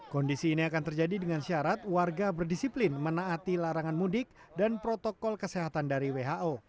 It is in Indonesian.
kondisi ini akan terjadi dengan syarat warga berdisiplin menaati larangan mudik dan protokol kesehatan dari who